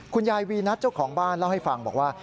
คุณยายวีนัทเจ้าของบ้านเล่าให้ฟังบอกว่า